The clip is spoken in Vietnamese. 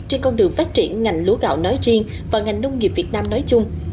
trên con đường phát triển ngành lúa gạo nói riêng và ngành nông nghiệp việt nam nói chung